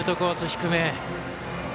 低め。